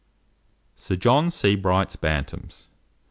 ] SIR JOHN SEBRIGHT'S BANTAMS.